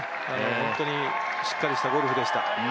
本当にしっかりしたゴルフでした。